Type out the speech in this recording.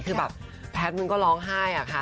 คือแบบแพทย์มันก็ร้องไห้อะค่ะ